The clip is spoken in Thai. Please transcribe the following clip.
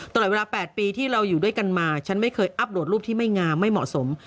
ตลอดเวลา๘ปีที่เราอยู่ด้วยกันมาฉันไม่เคยอัปโดดรูปที่ไม่งามไม่เหมาะสม